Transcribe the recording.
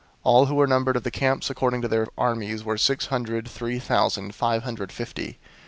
All who were numbered of the camps according to their armies were six hundred three thousand five hundred fifty.